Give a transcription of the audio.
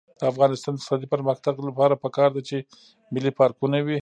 د افغانستان د اقتصادي پرمختګ لپاره پکار ده چې ملي پارکونه وي.